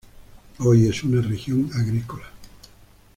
Hoy es una región agrícola.